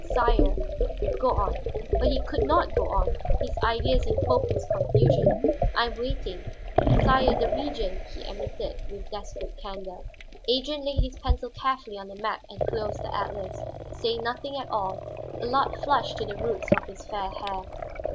"Sire " "Go on." But he could not go on, his ideas in hopeless confusion. "I am waiting." "Sire, the Regent," he admitted with desperate candor. Adrian laid his pencil carefully on the map and closed the atlas, saying nothing at all. Allard flushed to the roots of his fair hair.